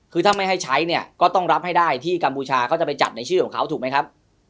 คือถ้าไม่ให้ใช้เนี่ยก็ต้องรับให้ได้ที่กัมพูชาเขาจะไปจัดในชื่อของเขาถูกไหมครับ